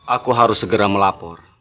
aku harus segera melapor